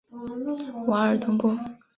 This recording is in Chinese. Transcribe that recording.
瓦尔东布。